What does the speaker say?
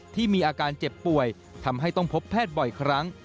ที่มีอาการเจ็บป่วยทำให้ต้องพบแพทย์บ่อยครั้ง